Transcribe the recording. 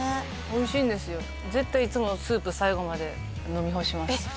おいしいんですよ絶対いつもスープ最後まで飲み干しますえっ